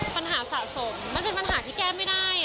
ปัญหาสะสมมันเป็นปัญหาที่แก้ไม่ได้